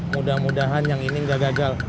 mudah mudahan yang ini nggak gagal